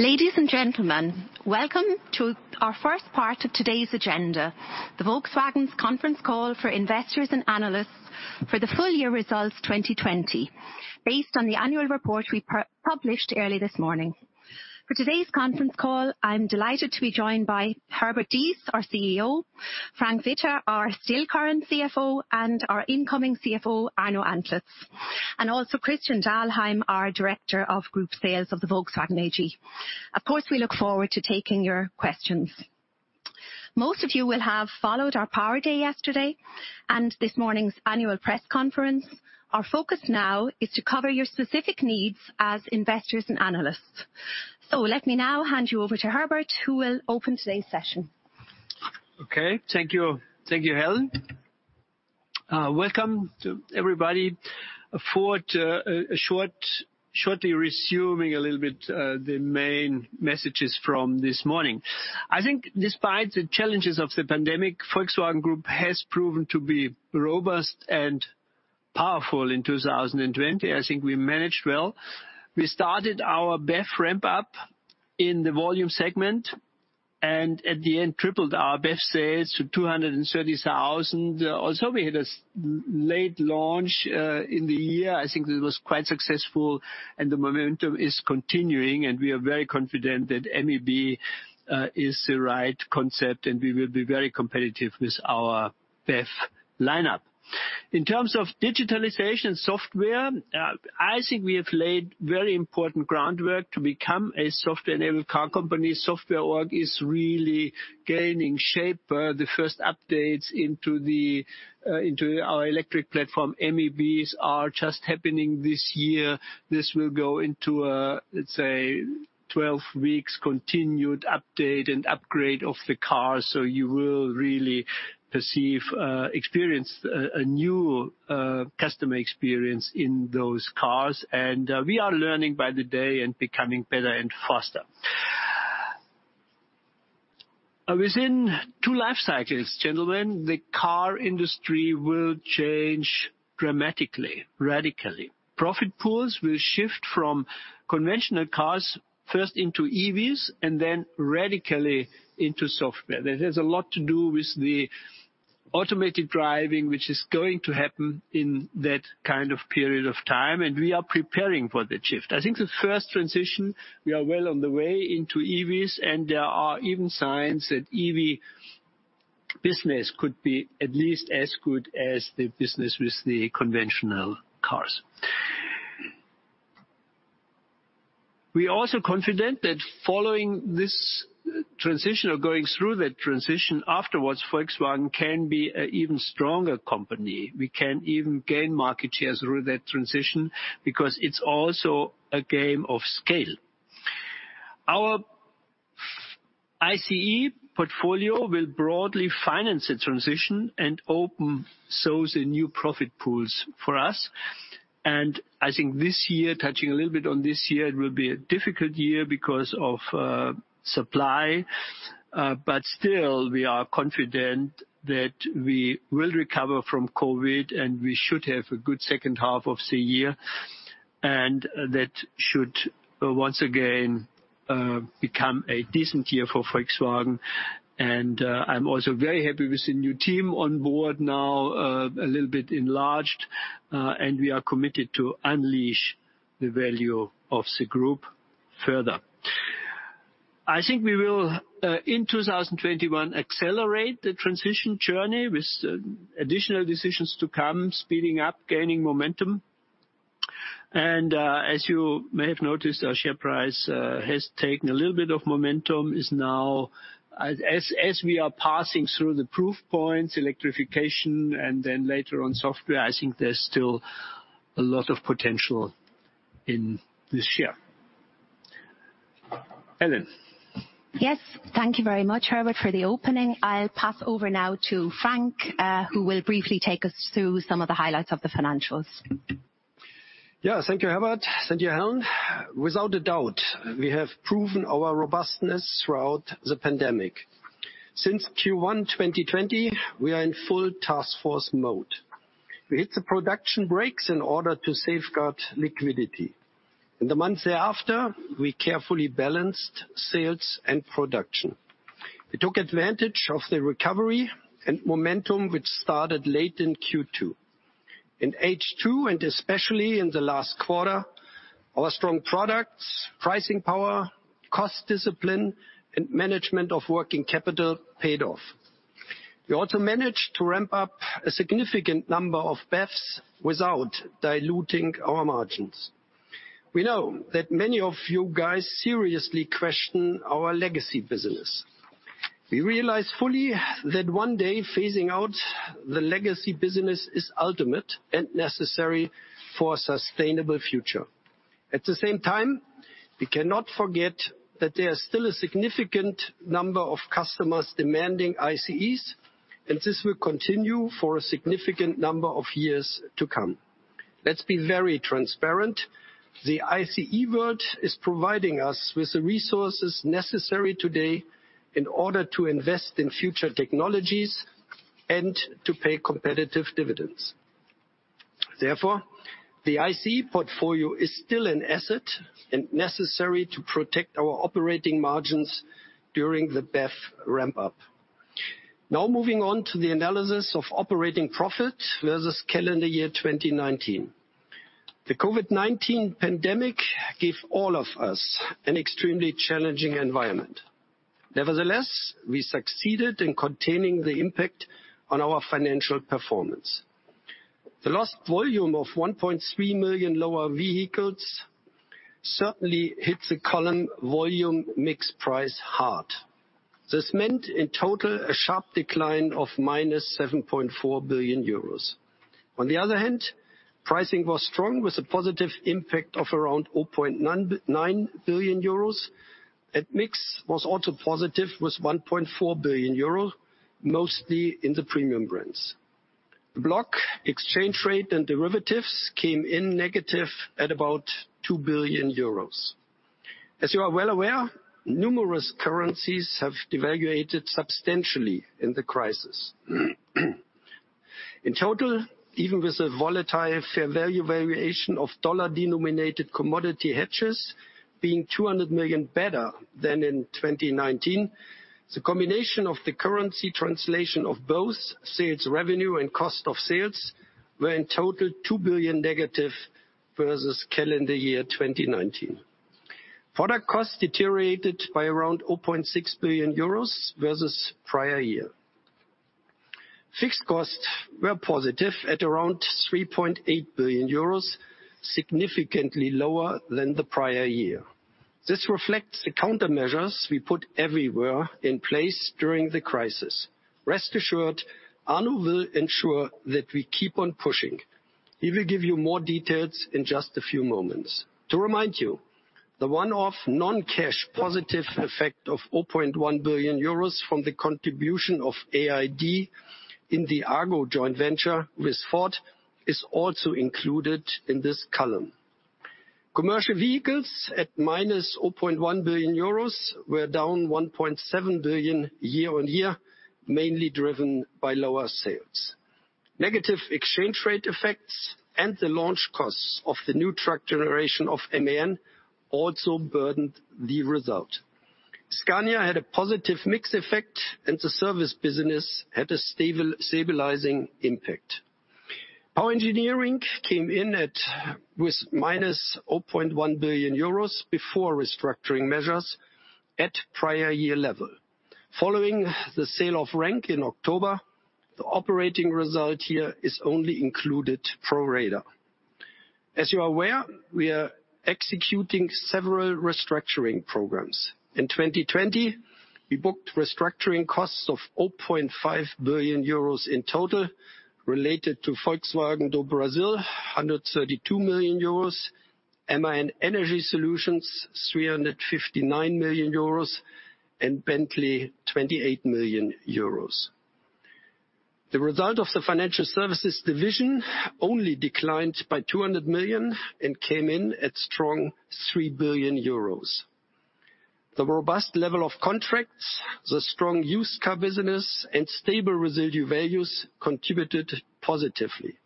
Ladies and gentlemen, welcome to our first part of today's agenda, the Volkswagen's Conference Call for Investors and Analysts for the Full Year Results 2020, based on the annual report we published early this morning. For today's conference call, I'm delighted to be joined by Herbert Diess, our CEO, Frank Witter, our still current CFO, and our incoming CFO, Arno Antlitz, and also Christian Dahlheim, our Director of Group Sales of the Volkswagen AG. Of course, we look forward to taking your questions. Most of you will have followed our Power Day yesterday, and this morning's annual press conference. Our focus now is to cover your specific needs as investors and analysts. Let me now hand you over to Herbert, who will open today's session. Okay. Thank you, Helen. Welcome to everybody. For shortly resuming a little bit the main messages from this morning. I think despite the challenges of the pandemic, Volkswagen Group has proven to be robust and powerful in 2020. I think we managed well. We started our BEV ramp-up in the volume segment, and at the end tripled our BEV sales to 230,000. Also, we had a late launch in the year. I think it was quite successful and the momentum is continuing, and we are very confident that MEB is the right concept, and we will be very competitive with our BEV lineup. In terms of digitalization software, I think we have laid very important groundwork to become a software-enabled car company. Software org is really gaining shape. The first updates into our electric platform, MEBs, are just happening this year. This will go into a 12 weeks continued update and upgrade of the cars. You will really perceive a new customer experience in those cars. We are learning by the day and becoming better and faster. Within two life cycles, gentlemen, the car industry will change dramatically, radically. Profit pools will shift from conventional cars first into EVs, then radically into software. That has a lot to do with the automated driving, which is going to happen in that period of time, we are preparing for that shift. I think the first transition, we are well on the way into EVs, there are even signs that EV business could be at least as good as the business with the conventional cars. We are also confident that following this transition, or going through that transition, afterwards, Volkswagen can be an even stronger company. We can even gain market shares through that transition, because it's also a game of scale. Our ICE portfolio will broadly finance the transition and open new profit pools for us. I think this year, touching a little bit on this year, it will be a difficult year because of supply. Still, we are confident that we will recover from COVID, and we should have a good second half of the year. That should, once again, become a decent year for Volkswagen. I'm also very happy with the new team on board now, a little bit enlarged, and we are committed to unleash the value of the group further. I think we will, in 2021, accelerate the transition journey with additional decisions to come, speeding up, gaining momentum. As you may have noticed, our share price has taken a little bit of momentum. As we are passing through the proof points, electrification, and then later on software, I think there is still a lot of potential in the share. Helen. Yes. Thank you very much, Herbert, for the opening. I'll pass over now to Frank, who will briefly take us through some of the highlights of the financials. Yeah. Thank you, Herbert. Thank you, Helen. Without a doubt, we have proven our robustness throughout the pandemic. Since Q1 2020, we are in full task force mode. We hit the production brakes in order to safeguard liquidity. In the months thereafter, we carefully balanced sales and production. We took advantage of the recovery and momentum, which started late in Q2. In H2, and especially in the last quarter, our strong products, pricing power, cost discipline, and management of working capital paid off. We also managed to ramp up a significant number of BEVs without diluting our margins. We know that many of you guys seriously question our legacy business. We realize fully that one day phasing out the legacy business is ultimate and necessary for a sustainable future. At the same time, we cannot forget that there are still a significant number of customers demanding ICEs, and this will continue for a significant number of years to come. Let's be very transparent. The ICE world is providing us with the resources necessary today in order to invest in future technologies and to pay competitive dividends. Therefore, the ICE portfolio is still an asset and necessary to protect our operating margins during the BEV ramp-up. Now, moving on to the analysis of operating profit versus calendar year 2019. The COVID-19 pandemic gave all of us an extremely challenging environment. Nevertheless, we succeeded in containing the impact on our financial performance. The lost volume of 1.3 million lower vehicles certainly hit the column volume mix price hard. This meant, in total, a sharp decline of 7.4 billion euros. On the other hand, pricing was strong with a positive impact of around 0.9 billion euros. Mix was also positive with 1.4 billion euros, mostly in the premium brands. The block exchange rate and derivatives came in negative at about 2 billion euros. As you are well aware, numerous currencies have devalued substantially in the crisis. In total, even with a volatile fair value variation of dollar-denominated commodity hedges being $200 million better than in 2019, the combination of the currency translation of both sales revenue and cost of sales were, in total, 2 billion negative versus calendar year 2019. Product costs deteriorated by around 0.6 billion euros versus prior year. Fixed costs were positive at around 3.8 billion euros, significantly lower than the prior year. This reflects the countermeasures we put everywhere in place during the crisis. Rest assured, Arno will ensure that we keep on pushing. He will give you more details in just a few moments. To remind you, the one-off non-cash positive effect of 0.1 billion euros from the contribution of AID in the Argo joint venture with Ford is also included in this column. Commercial vehicles at minus 0.1 billion euros were down 1.7 billion year-on-year, mainly driven by lower sales. Negative exchange rate effects and the launch costs of the new truck generation of MAN also burdened the result. Scania had a positive mix effect, and the service business had a stabilizing impact. Power engineering came in with minus 0.1 billion euros before restructuring measures at prior year level. Following the sale of RENK in October, the operating result here is only included pro rata. As you are aware, we are executing several restructuring programs. In 2020, we booked restructuring costs of 0.5 billion euros in total related to Volkswagen do Brasil, 132 million euros, MAN Energy Solutions, 359 million euros, and Bentley, 28 million euros. The result of the Financial Services division only declined by 200 million and came in at strong 3 billion euros. The robust level of contracts, the strong used car business, and stable residual values contributed positively.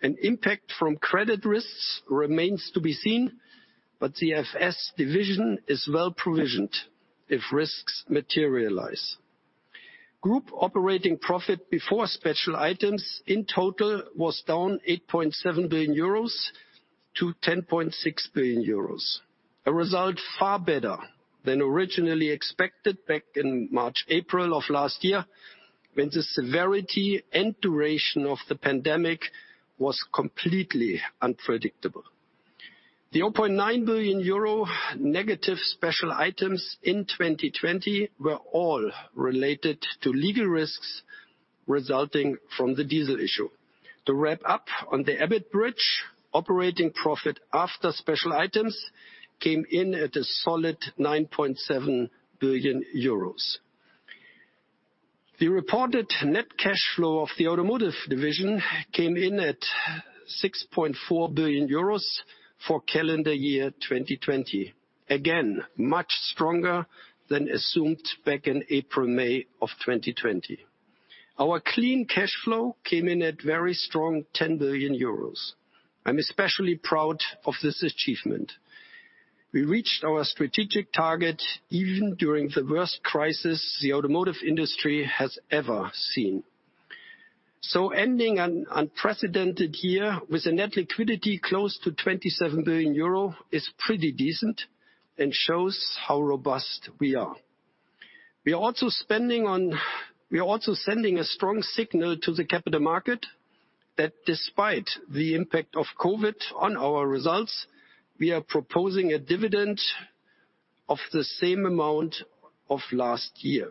An impact from credit risks remains to be seen, but the FS division is well provisioned if risks materialize. Group operating profit before special items in total was down 8.7 billion euros to 10.6 billion euros. A result far better than originally expected back in March, April of last year, when the severity and duration of the pandemic was completely unpredictable. The 0.9 billion euro negative special items in 2020 were all related to legal risks resulting from the diesel issue. The wrap up on the EBIT bridge, operating profit after special items, came in at a solid 9.7 billion euros. The reported net cash flow of the automotive division came in at 6.4 billion euros for calendar year 2020. Much stronger than assumed back in April, May of 2020. Our clean cash flow came in at very strong 10 billion euros. I'm especially proud of this achievement. We reached our strategic target even during the worst crisis the automotive industry has ever seen. Ending an unprecedented year with a net liquidity close to 27 billion euro is pretty decent and shows how robust we are. We are also sending a strong signal to the capital market that despite the impact of COVID on our results, we are proposing a dividend of the same amount of last year.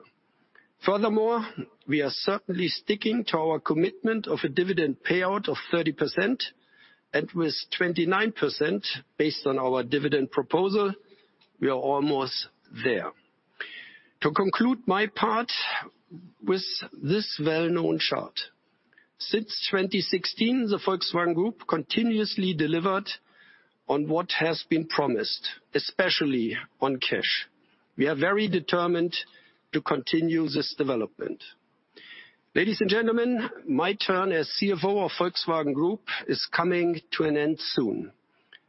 Furthermore, we are certainly sticking to our commitment of a dividend payout of 30%, and with 29% based on our dividend proposal, we are almost there. To conclude my part with this well-known chart. Since 2016, the Volkswagen Group continuously delivered on what has been promised, especially on cash. We are very determined to continue this development. Ladies and gentlemen, my turn as CFO of Volkswagen Group is coming to an end soon.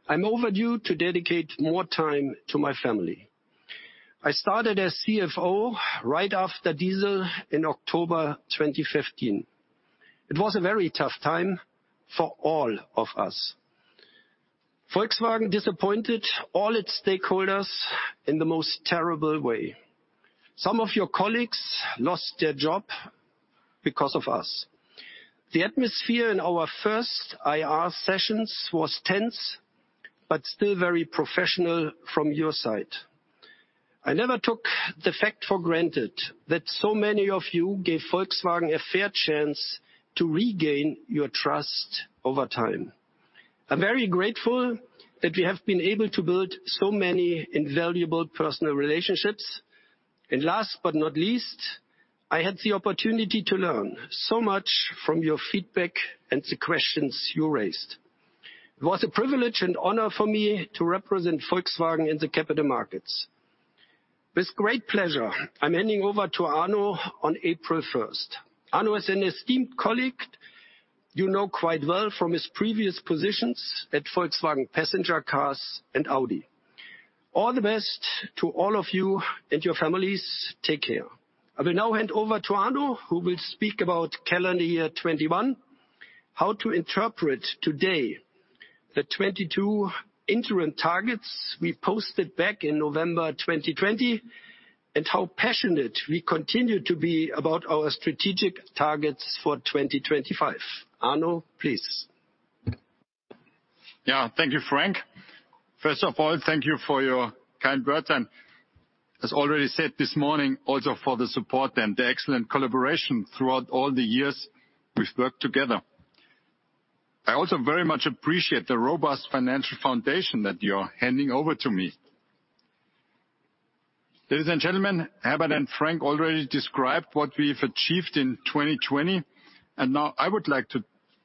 I'm overdue to dedicate more time to my family. I started as CFO right after diesel in October 2015. It was a very tough time for all of us. Volkswagen disappointed all its stakeholders in the most terrible way. Some of your colleagues lost their job because of us. The atmosphere in our first IR sessions was tense, but still very professional from your side. I never took the fact for granted that so many of you gave Volkswagen a fair chance to regain your trust over time. I'm very grateful that we have been able to build so many invaluable personal relationships. Last but not least, I had the opportunity to learn so much from your feedback and the questions you raised. It was a privilege and honor for me to represent Volkswagen in the capital markets. With great pleasure, I'm handing over to Arno on April 1st. Arno is an esteemed colleague you know quite well from his previous positions at Volkswagen Passenger Cars and Audi. All the best to all of you and your families. Take care. I will now hand over to Arno, who will speak about calendar year 2021, how to interpret today the 2022 interim targets we posted back in November 2020, and how passionate we continue to be about our strategic targets for 2025. Arno, please. Thank you, Frank. First of all, thank you for your kind words, and as already said this morning, also for the support and the excellent collaboration throughout all the years we've worked together. I also very much appreciate the robust financial foundation that you're handing over to me. Ladies and gentlemen, Herbert and Frank already described what we've achieved in 2020, and now I would like to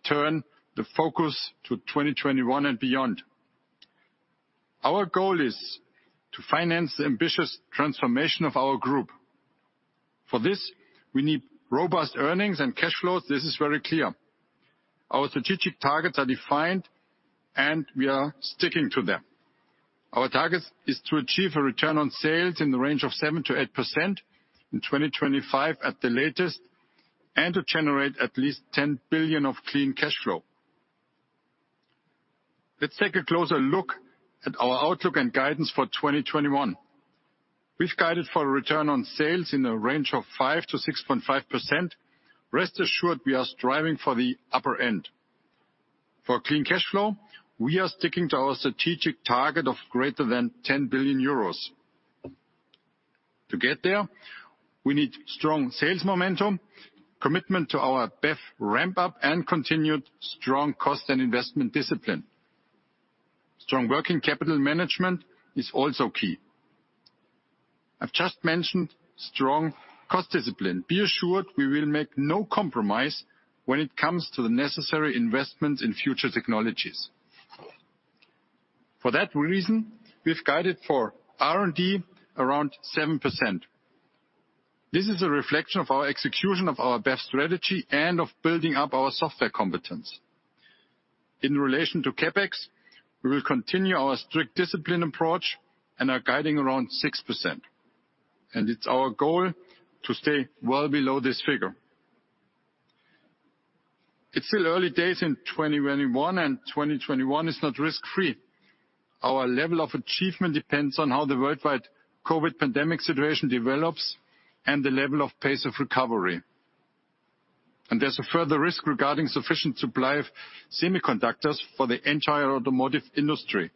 turn the focus to 2021 and beyond. Our goal is to finance the ambitious transformation of our group. For this, we need robust earnings and cash flows. This is very clear. Our strategic targets are defined, and we are sticking to them. Our target is to achieve a return on sales in the range of 7%-8% in 2025 at the latest, and to generate at least 10 billion of clean cash flow. Let's take a closer look at our outlook and guidance for 2021. We've guided for a return on sales in the range of 5%-6.5%. Rest assured, we are striving for the upper end. For clean cash flow, we are sticking to our strategic target of greater than 10 billion euros. To get there, we need strong sales momentum, commitment to our BEV ramp-up, and continued strong cost and investment discipline. Strong working capital management is also key. I've just mentioned strong cost discipline. Be assured we will make no compromise when it comes to the necessary investment in future technologies. For that reason, we've guided for R&D around 7%. This is a reflection of our execution of our BEV strategy and of building up our software competence. In relation to CapEx, we will continue our strict discipline approach and are guiding around 6%. It's our goal to stay well below this figure. It's still early days in 2021, and 2021 is not risk-free. Our level of achievement depends on how the worldwide COVID pandemic situation develops and the level of pace of recovery. There's a further risk regarding sufficient supply of semiconductors for the entire automotive industry.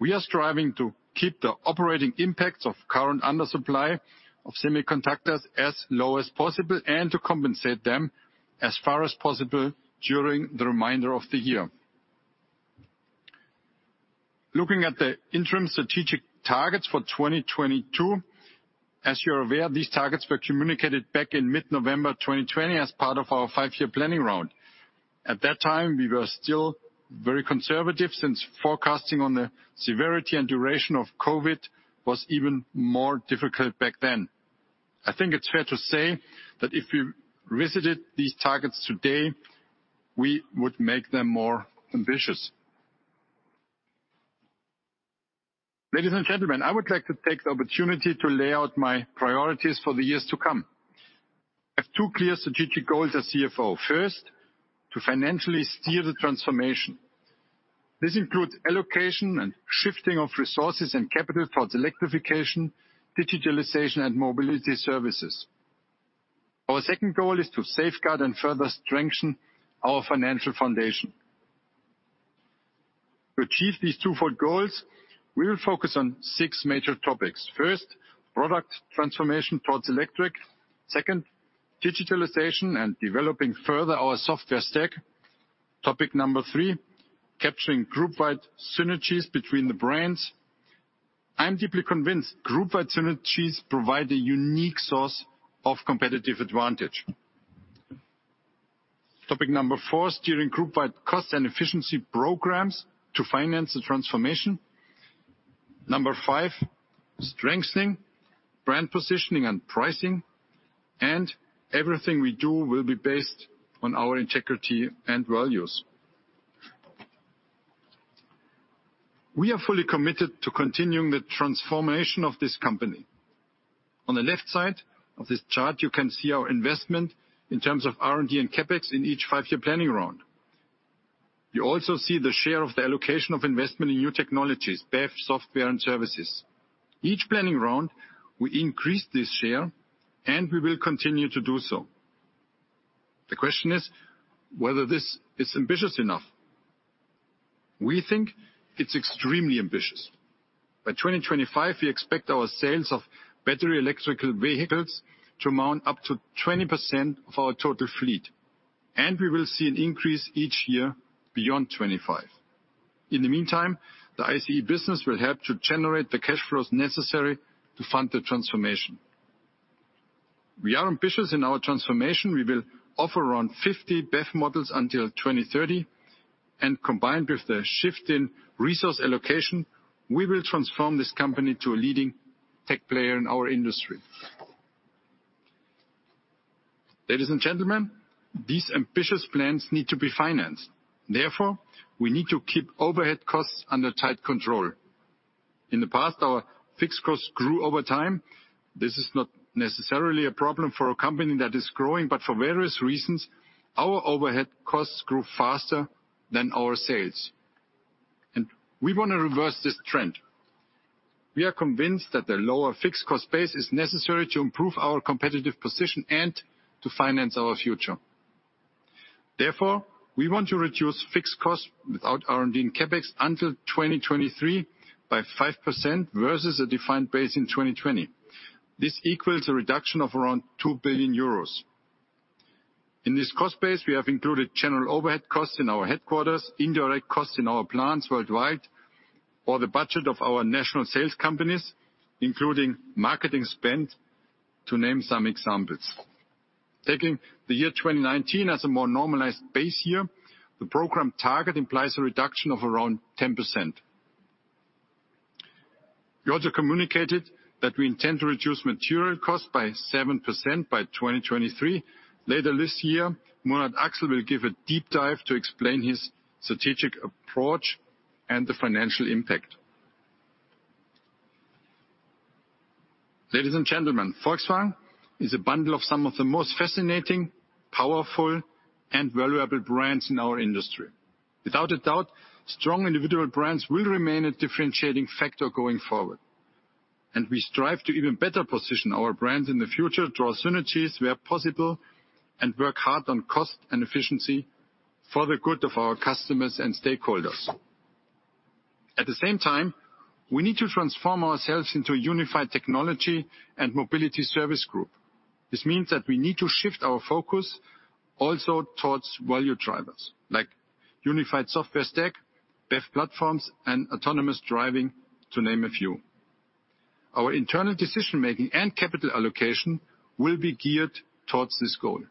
We are striving to keep the operating impacts of current undersupply of semiconductors as low as possible and to compensate them as far as possible during the remainder of the year. Looking at the interim strategic targets for 2022, as you're aware, these targets were communicated back in mid-November 2020 as part of our five-year planning round. At that time, we were still very conservative since forecasting on the severity and duration of COVID was even more difficult back then. I think it's fair to say that if we revisited these targets today, we would make them more ambitious. Ladies and gentlemen, I would like to take the opportunity to lay out my priorities for the years to come. I have two clear strategic goals as CFO. First, to financially steer the transformation. This includes allocation and shifting of resources and capital towards electrification, digitalization, and mobility services. Our second goal is to safeguard and further strengthen our financial foundation. To achieve these twofold goals, we will focus on six major topics. First, product transformation towards electric. Second, digitalization and developing further our software stack. Topic number three, capturing group-wide synergies between the brands. I'm deeply convinced group-wide synergies provide a unique source of competitive advantage. Topic number four, steering group-wide cost and efficiency programs to finance the transformation. Number five, strengthening brand positioning and pricing. Everything we do will be based on our integrity and values. We are fully committed to continuing the transformation of this company. On the left side of this chart, you can see our investment in terms of R&D and CapEx in each five-year planning round. You also see the share of the allocation of investment in new technologies, BEV software and services. Each planning round, we increase this share, and we will continue to do so. The question is whether this is ambitious enough. We think it's extremely ambitious. By 2025, we expect our sales of battery electric vehicles to amount up to 20% of our total fleet, and we will see an increase each year beyond 2025. In the meantime, the ICE business will help to generate the cash flows necessary to fund the transformation. We are ambitious in our transformation. We will offer around 50 BEV models until 2030, and combined with the shift in resource allocation, we will transform this company to a leading tech player in our industry. Ladies and gentlemen, these ambitious plans need to be financed. Therefore, we need to keep overhead costs under tight control. In the past, our fixed costs grew over time. This is not necessarily a problem for a company that is growing, but for various reasons, our overhead costs grew faster than our sales. We want to reverse this trend. We are convinced that the lower fixed cost base is necessary to improve our competitive position and to finance our future. Therefore, we want to reduce fixed costs without R&D and CapEx until 2023 by 5% versus a defined base in 2020. This equals a reduction of around 2 billion euros. In this cost base, we have included general overhead costs in our headquarters, indirect costs in our plants worldwide, or the budget of our national sales companies, including marketing spend, to name some examples. Taking the year 2019 as a more normalized base year, the program target implies a reduction of around 10%. We also communicated that we intend to reduce material cost by 7% by 2023. Later this year, Murat Aksel will give a deep dive to explain his strategic approach and the financial impact. Ladies and gentlemen, Volkswagen is a bundle of some of the most fascinating, powerful and valuable brands in our industry. Without a doubt, strong individual brands will remain a differentiating factor going forward. We strive to even better position our brands in the future, draw synergies where possible, and work hard on cost and efficiency for the good of our customers and stakeholders. At the same time, we need to transform ourselves into a unified technology and mobility service group. This means that we need to shift our focus also towards value drivers, like unified software stack, BEV platforms, and autonomous driving, to name a few. Our internal decision-making and capital allocation will be geared towards this goal.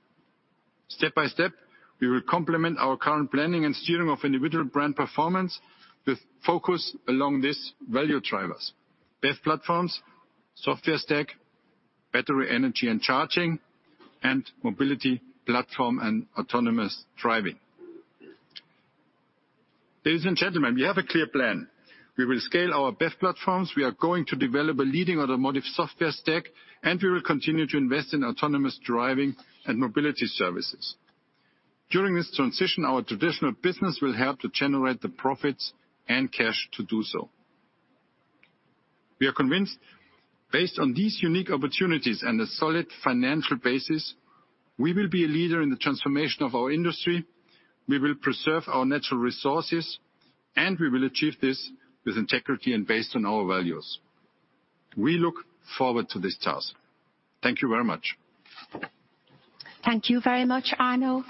Step-by-step, we will complement our current planning and steering of individual brand performance with focus along these value drivers, BEV platforms, software stack, battery, energy and charging, and mobility platform and autonomous driving. Ladies and gentlemen, we have a clear plan. We will scale our BEV platforms, we are going to develop a leading automotive software stack, and we will continue to invest in autonomous driving and mobility services. During this transition, our traditional business will help to generate the profits and cash to do so. We are convinced, based on these unique opportunities and a solid financial basis, we will be a leader in the transformation of our industry. We will preserve our natural resources, and we will achieve this with integrity and based on our values. We look forward to this task. Thank you very much. Thank you very much, Arno.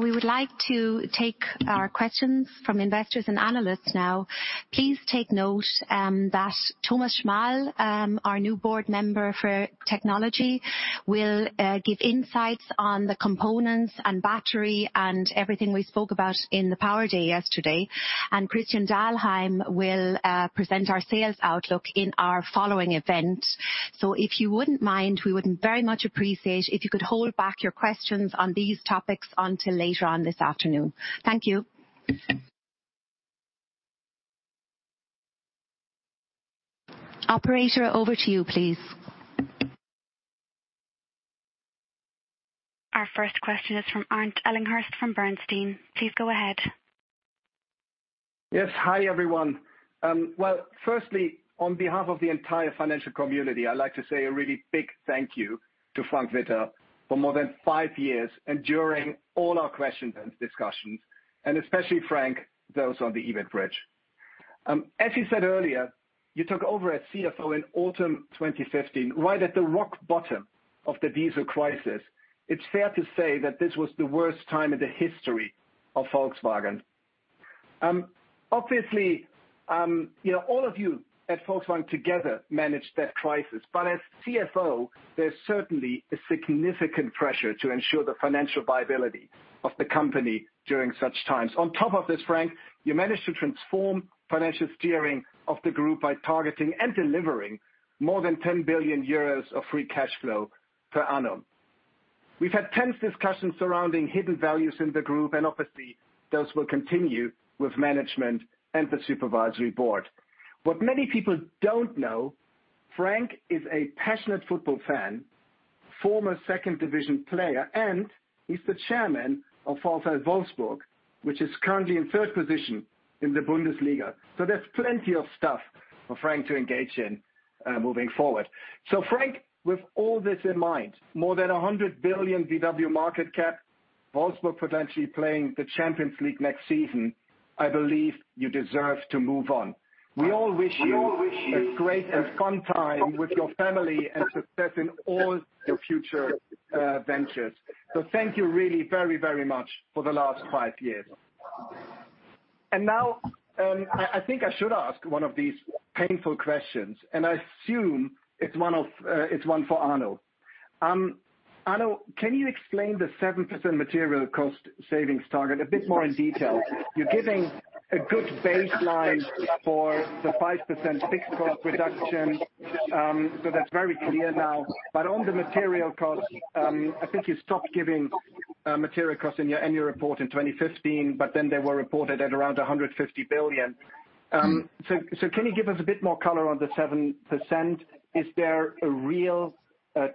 We would like to take our questions from investors and analysts now. Please take note that Thomas Schmall, our new board member for technology, will give insights on the components and battery and everything we spoke about in the Power Day yesterday, and Christian Dahlheim will present our sales outlook in our following event. If you wouldn't mind, we would very much appreciate if you could hold back your questions on these topics until later on this afternoon. Thank you. Operator, over to you, please. Our first question is from Arndt Ellinghorst from Bernstein. Please go ahead. Yes. Hi, everyone. Firstly, on behalf of the entire financial community, I'd like to say a really big thank you to Frank Witter for more than five years, enduring all our questions and discussions, and especially Frank, those on the event bridge. As you said earlier, you took over as CFO in autumn 2015, right at the rock bottom of the diesel crisis. It's fair to say that this was the worst time in the history of Volkswagen. Obviously, all of you at Volkswagen together managed that crisis. As CFO, there's certainly a significant pressure to ensure the financial viability of the company during such times. On top of this, Frank, you managed to transform financial steering of the group by targeting and delivering more than 10 billion euros of free cash flow per annum. We've had tense discussions surrounding hidden values in the group. Obviously, those will continue with management and the supervisory board. What many people don't know, Frank is a passionate football fan, former second-division player, and he's the Chairman of VfL Wolfsburg, which is currently in third position in the Bundesliga. There's plenty of stuff for Frank to engage in, moving forward. Frank, with all this in mind, more than 100 billion VW market cap, Wolfsburg potentially playing the Champions League next season, I believe you deserve to move on. We all wish you a great and fun time with your family and success in all your future ventures. Thank you really very, very much for the last five years. Now, I think I should ask one of these painful questions. I assume it's one for Arno. Arno, can you explain the 7% material cost savings target a bit more in detail? You're giving a good baseline for the 5% fixed cost reduction. That's very clear now. On the material cost, I think you stopped giving material costs in your annual report in 2015, but then they were reported at around 150 billion. Can you give us a bit more color on the 7%? Is there a real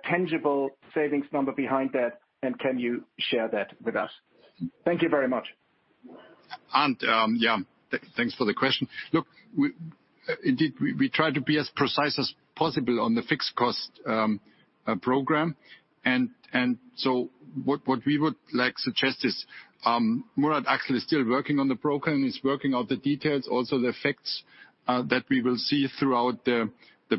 tangible savings number behind that, and can you share that with us? Thank you very much. Arndt, yeah. Thanks for the question. Look, indeed, we try to be as precise as possible on the fixed cost program. What we would like suggest is, Murat Aksel is still working on the program. He's working out the details, also the effects that we will see throughout the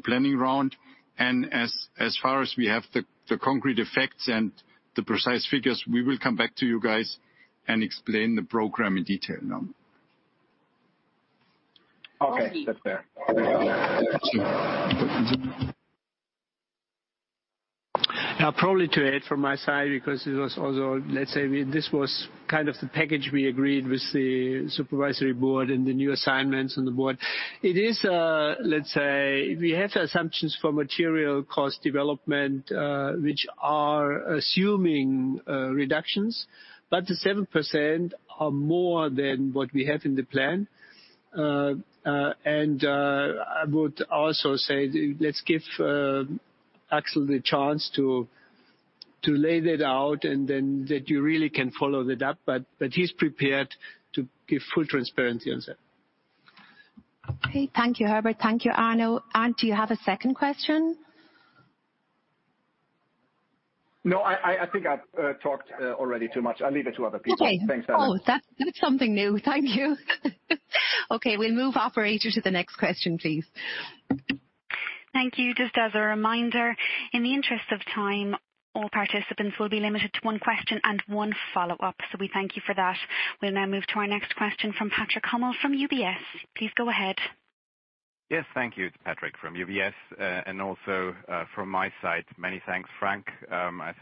Planning Round. As far as we have the concrete effects and the precise figures, we will come back to you guys and explain the program in detail now. Okay. That's fair. Probably to add from my side, because it was also, let's say, this was kind of the package we agreed with the supervisory board and the new assignments on the board. It is, let's say, we have assumptions for material cost development, which are assuming reductions, but the 7% are more than what we have in the plan. I would also say, let's give Aksel the chance to lay that out and then that you really can follow that up. He's prepared to give full transparency on that. Okay. Thank you, Herbert. Thank you, Arno. Arndt, do you have a second question? No, I think I've talked already too much. I'll leave it to other people. Okay. Thanks, Helen. Oh, that's something new. Thank you. Okay, we'll move, operator, to the next question, please. Thank you. Just as a reminder, in the interest of time, all participants will be limited to one question and one follow-up. We thank you for that. We'll now move to our next question from Patrick Hummel from UBS. Please go ahead. Yes, thank you. It's Patrick from UBS. Also, from my side, many thanks, Frank. I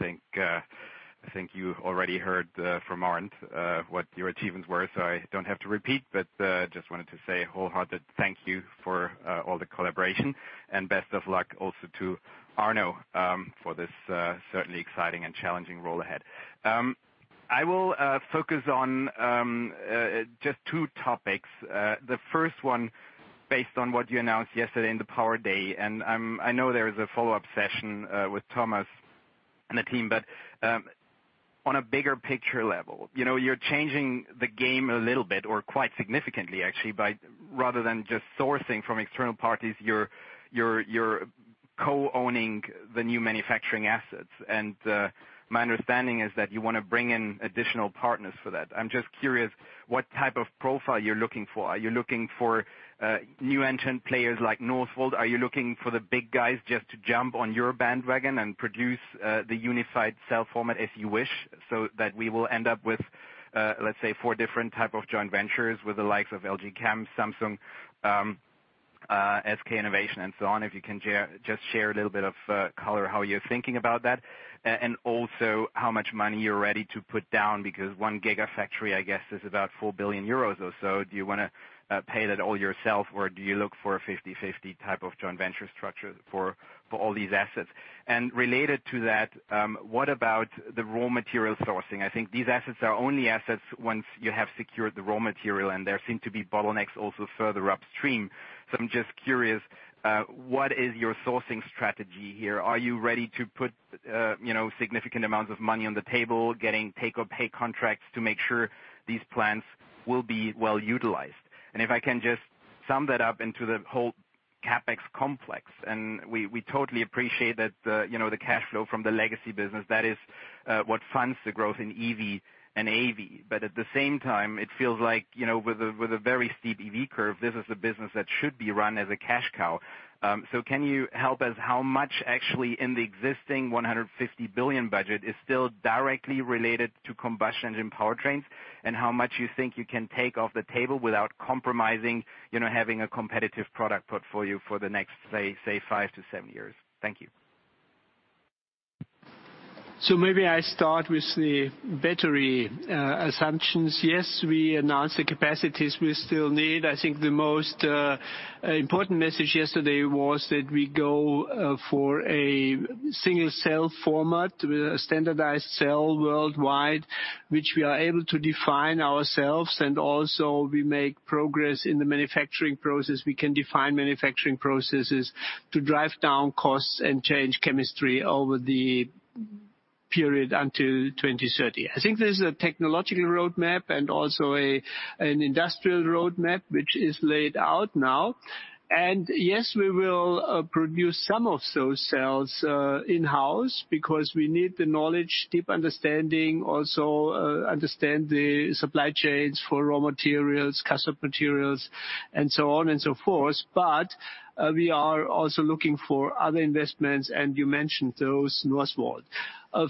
think you already heard from Arndt what your achievements were, so I don't have to repeat, but just wanted to say a wholehearted thank you for all the collaboration. Best of luck also to Arno, for this certainly exciting and challenging role ahead. I will focus on just two topics. The first one, based on what you announced yesterday in the Power Day, and I know there is a follow-up session with Thomas and the team, but on a bigger picture level. You're changing the game a little bit or quite significantly actually by rather than just sourcing from external parties, you're co-owning the new manufacturing assets and my understanding is that you want to bring in additional partners for that. I'm just curious what type of profile you're looking for. Are you looking for new entrant players like Northvolt? Are you looking for the big guys just to jump on your bandwagon and produce the unified cell format as you wish so that we will end up with, let's say, four different type of joint ventures with the likes of LG Chem, Samsung, SK Innovation and so on? If you can just share a little bit of color how you're thinking about that, and also how much money you're ready to put down because one gigafactory, I guess is about 4 billion euros or so. Do you want to pay that all yourself or do you look for a 50/50 type of joint venture structure for all these assets? Related to that, what about the raw material sourcing? I think these assets are only assets once you have secured the raw material and there seem to be bottlenecks also further upstream. I'm just curious, what is your sourcing strategy here? Are you ready to put significant amounts of money on the table, getting take or pay contracts to make sure these plans will be well-utilized? If I can just sum that up into the whole CapEx complex and we totally appreciate the cash flow from the legacy business. That is what funds the growth in EV and AV. At the same time, it feels like with a very steep EV curve, this is a business that should be run as a cash cow. Can you help us how much actually in the existing 150 billion budget is still directly related to combustion engine powertrains and how much you think you can take off the table without compromising having a competitive product portfolio for the next, say, five to seven years? Thank you. Maybe I start with the battery assumptions. Yes, we announced the capacities we still need. I think the most important message yesterday was that we go for a single-cell format with a standardized cell worldwide, which we are able to define ourselves. Also we make progress in the manufacturing process. We can define manufacturing processes to drive down costs and change chemistry over the period until 2030. I think there's a technological roadmap and also an industrial roadmap, which is laid out now. Yes, we will produce some of those cells in-house because we need the knowledge, deep understanding, also understand the supply chains for raw materials, custom materials, and so on and so forth. We are also looking for other investments, and you mentioned those, Northvolt.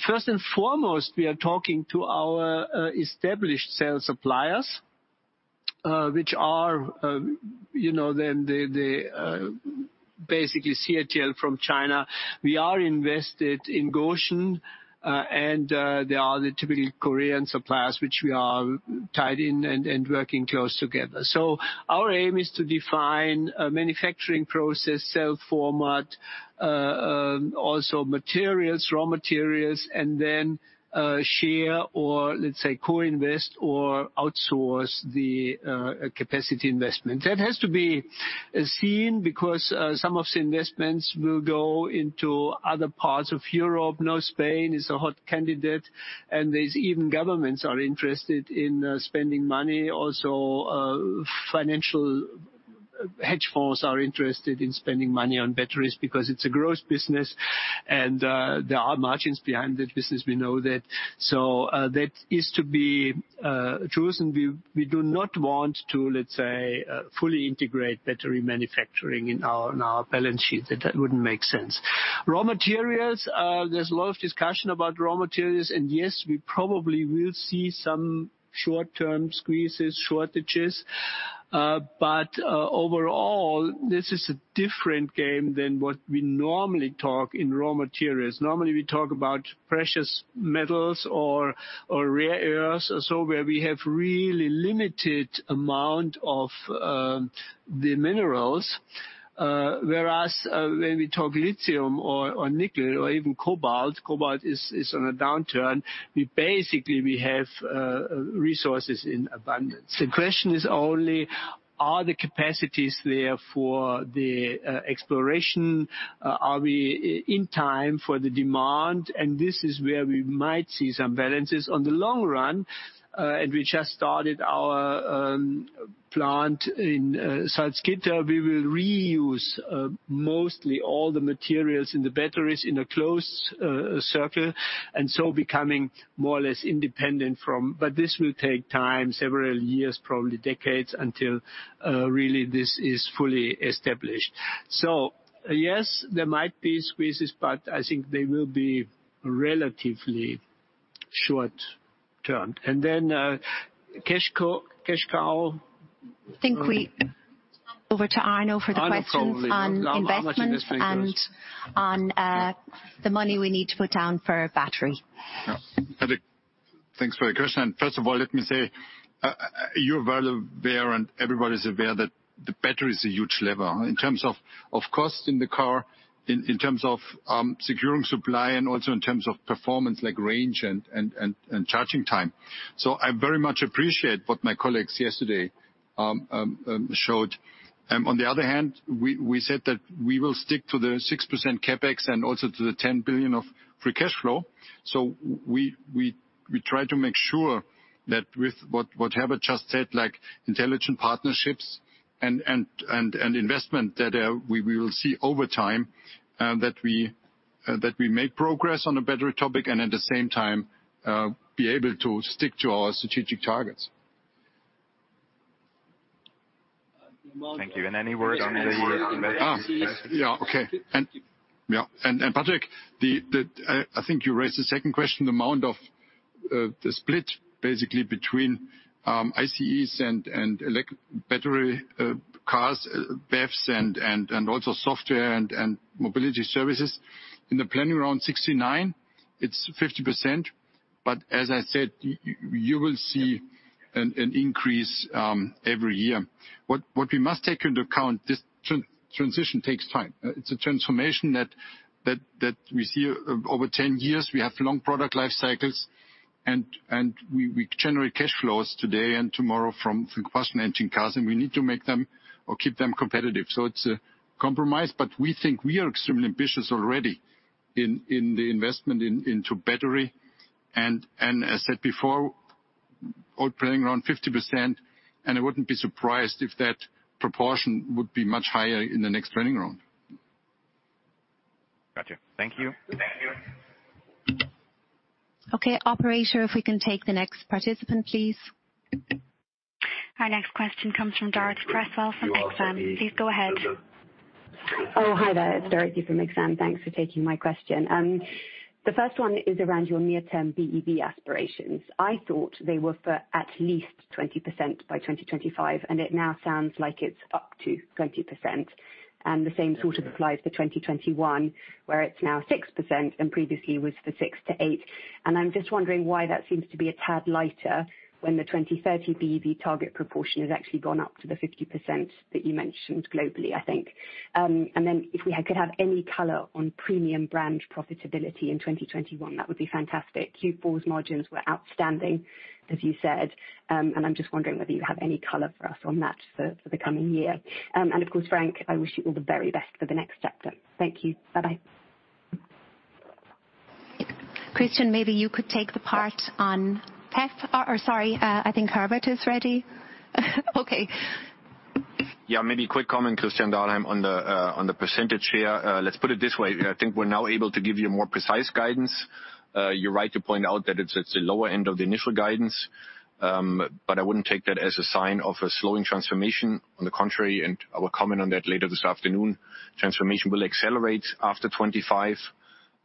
First and foremost, we are talking to our established cell suppliers, which are basically CATL from China. We are invested in Gotion, and there are the typical Korean suppliers, which we are tied in and working close together. Our aim is to define a manufacturing process, cell format, also materials, raw materials, and then share or let's say, co-invest or outsource the capacity investment. That has to be seen because some of the investments will go into other parts of Europe. Spain is a hot candidate, and even governments are interested in spending money. Financial hedge funds are interested in spending money on batteries because it's a growth business and there are margins behind that business. We know that. That is to be chosen. We do not want to, let's say, fully integrate battery manufacturing in our balance sheet. That wouldn't make sense. Raw materials. There's a lot of discussion about raw materials. Yes, we probably will see some short-term squeezes, shortages. Overall, this is a different game than what we normally talk in raw materials. Normally, we talk about precious metals or rare earths or so where we have really limited amount of the minerals. Whereas when we talk lithium or nickel or even cobalt is on a downturn. Basically, we have resources in abundance. The question is only are the capacities there for the exploration. Are we in time for the demand? This is where we might see some balances. On the long run, we just started our plant in Salzgitter. We will reuse mostly all the materials in the batteries in a closed circle and so becoming more or less independent from. This will take time, several years, probably decades, until really this is fully established. Yes, there might be squeezes, but I think they will be relatively short-term. Keshika? I think we hand over to Arno for the questions on investment and on the money we need to put down for battery. Yeah. Patrick, thanks for the question. First of all, let me say, you're well aware, and everybody's aware that the battery is a huge lever in terms of cost in the car, in terms of securing supply and also in terms of performance like range and charging time. I very much appreciate what my colleagues yesterday showed. On the other hand, we said that we will stick to the 6% CapEx and also to the 10 billion of free cash flow. We try to make sure that with what Herbert just said, like intelligent partnerships and investment, that we will see over time that we make progress on a better topic and at the same time, be able to stick to our strategic targets. Thank you. Any word on the. Yeah, okay. Patrick, I think you raised the second question, the amount of the split basically between ICEs and electric battery cars, BEVs, and also software and mobility services. In the Planning Round 69, it's 50%. As I said, you will see an increase every year. What we must take into account, this transition takes time. It's a transformation that we see over 10 years. We have long product life cycles, and we generate cash flows today and tomorrow from combustion engine cars, and we need to make them or keep them competitive. It's a compromise, but we think we are extremely ambitious already in the investment into battery. As said before, all planning around 50%, and I wouldn't be surprised if that proportion would be much higher in the next Planning Round. Got you. Thank you. Okay. Operator, if we can take the next participant, please. Our next question comes from Dorothee Cresswell from Exane. Please go ahead. Oh, hi there. It's Dorothy from Exane. Thanks for taking my question. The first one is around your near-term BEV aspirations. I thought they were for at least 20% by 2025, and it now sounds like it's up to 20%. The same sort of applies for 2021, where it's now 6% and previously was for 6%-8%. I'm just wondering why that seems to be a tad lighter when the 2030 BEV target proportion has actually gone up to the 50% that you mentioned globally, I think. Then if we could have any color on premium brand profitability in 2021, that would be fantastic. Q4's margins were outstanding, as you said. I'm just wondering whether you have any color for us on that for the coming year. Of course, Frank, I wish you all the very best for the next chapter. Thank you. Bye-bye. Christian, maybe you could take the part on BEV. Oh, sorry, I think Herbert is ready. Okay. Maybe a quick comment, Christian Dahlheim, on the percentage share. Let's put it this way, I think we're now able to give you more precise guidance. You're right to point out that it's the lower end of the initial guidance. I wouldn't take that as a sign of a slowing transformation. On the contrary, and I will comment on that later this afternoon, transformation will accelerate after 2025.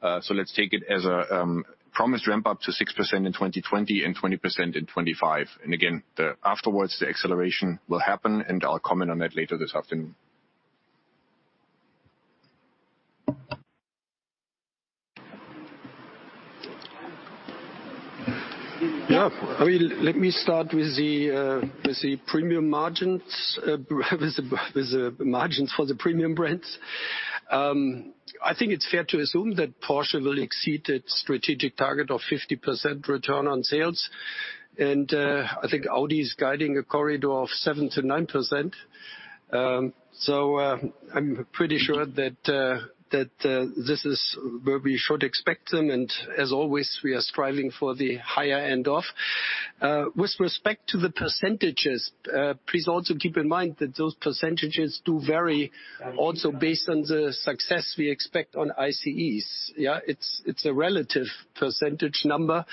Let's take it as a promised ramp-up to 6% in 2020 and 20% in 2025. Again, afterwards, the acceleration will happen, and I'll comment on that later this afternoon. Yeah. Let me start with the premium margins, with the margins for the premium brands. I think it's fair to assume that Porsche will exceed its strategic target of 50% return on sales. I think Audi is guiding a corridor of 7%-9%. I'm pretty sure that this is where we should expect them, and as always, we are striving for the higher end of. With respect to the percentages, please also keep in mind that those percentages do vary also based on the success we expect on ICEs. Yeah? It's a relative percentage number.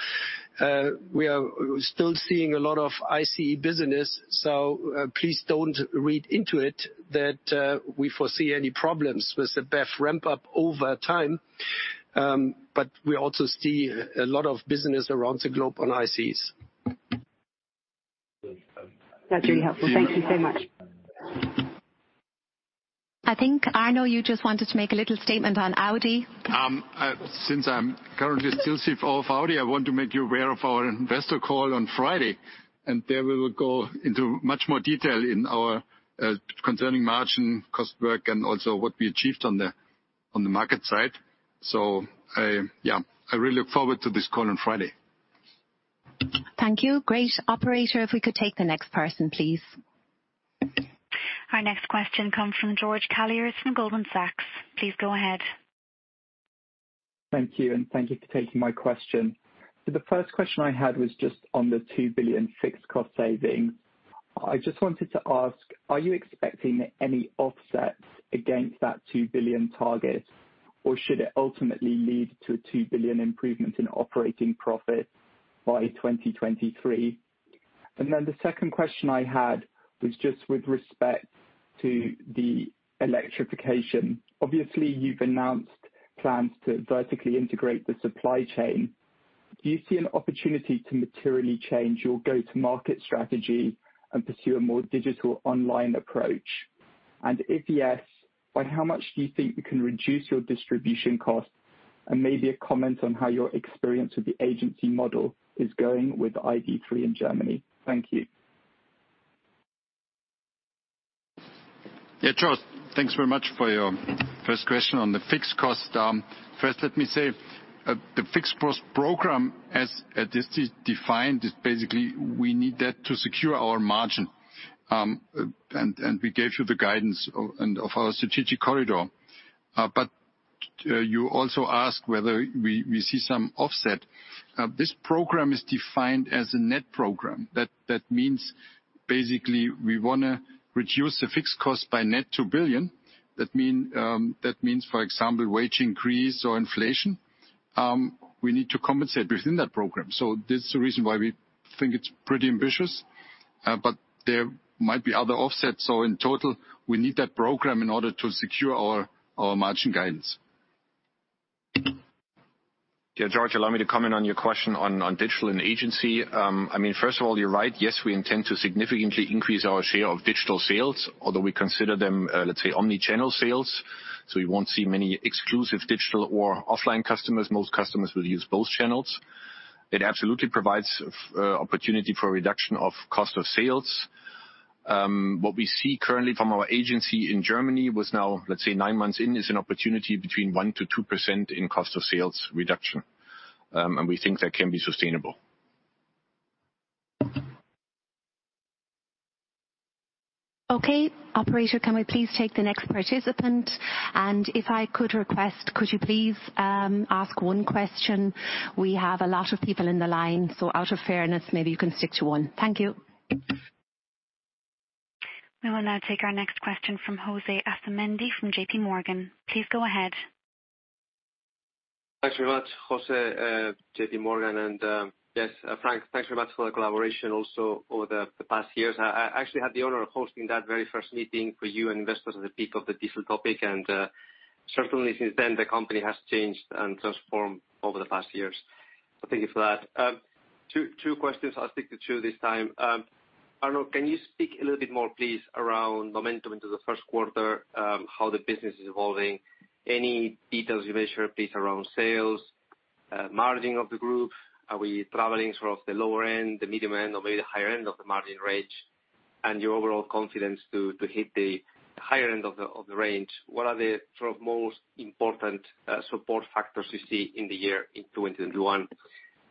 We are still seeing a lot of ICE business, so please don't read into it that we foresee any problems with the BEV ramp-up over time. We also see a lot of business around the globe on ICEs. That's really helpful. Thank you so much. I think, Arno, you just wanted to make a little statement on Audi. Since I'm currently still CFO of Audi, I want to make you aware of our investor call on Friday. There we will go into much more detail concerning margin, cost work, and also what we achieved on the market side. Yeah, I really look forward to this call on Friday. Thank you. Great. Operator, if we could take the next person, please. Our next question comes from George Galliers from Goldman Sachs. Please go ahead. Thank you. Thank you for taking my question. The first question I had was just on the 2 billion fixed cost saving. I just wanted to ask, are you expecting any offsets against that 2 billion target, or should it ultimately lead to a 2 billion improvement in operating profit by 2023? The second question I had was just with respect to the electrification. Obviously, you've announced plans to vertically integrate the supply chain. Do you see an opportunity to materially change your go-to market strategy and pursue a more digital online approach? If yes, by how much do you think you can reduce your distribution cost? Maybe a comment on how your experience with the agency model is going with ID.3 in Germany. Thank you. George. Thanks very much for your first question on the fixed cost. Let me say, the fixed cost Program as it is defined, is basically we need that to secure our margin. We gave you the guidance of our strategic corridor. You also asked whether we see some offset. This program is defined as a net program. That means, basically, we want to reduce the fixed cost by net 2 billion. That means, for example, wage increase or inflation. We need to compensate within that program. This is the reason why we think it's pretty ambitious. There might be other offsets. In total, we need that program in order to secure our margin guidance. Yeah, George, allow me to comment on your question on digital and agency. First of all, you're right. Yes, we intend to significantly increase our share of digital sales, although we consider them, let's say, omni-channel sales. You won't see many exclusive digital or offline customers. Most customers will use both channels. It absolutely provides opportunity for a reduction of cost of sales. What we see currently from our agency in Germany, with now, let's say, nine months in, is an opportunity between 1% to 2% in cost of sales reduction. We think that can be sustainable. Okay. Operator, can we please take the next participant? If I could request, could you please ask one question? We have a lot of people in the line, so out of fairness, maybe you can stick to one. Thank you. We will now take our next question from José Asumendi from JP Morgan. Please go ahead. Thanks very much, José, JP Morgan. Yes, Frank, thanks very much for the collaboration also over the past years. I actually had the honor of hosting that very first meeting for you investors at the peak of the diesel topic, and certainly since then, the company has changed and transformed over the past years. Thank you for that. Two questions. I'll stick to two this time. Arno, can you speak a little bit more, please, around momentum into the first quarter, how the business is evolving? Any details you may share, please, around sales, margining of the group. Are we traveling sort of the lower end, the middle end, or maybe the higher end of the margin range? Your overall confidence to hit the higher end of the range. What are the sort of most important support factors you see in the year in 2021?